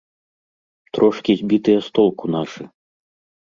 Трошкі збітыя з толку нашы.